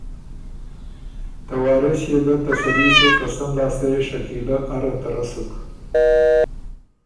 ته وارث يې ګۀ تسلي سُک که سن لاسته يې شکیلۀ اره ته رۀ سُک۔